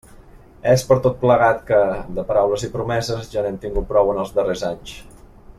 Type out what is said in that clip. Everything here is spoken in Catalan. És per tot plegat que, de paraules i promeses, ja n'hem tingut prou en els darrers anys.